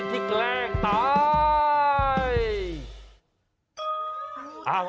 ที่แกล้งตาย